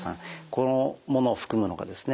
このものを含むのがですね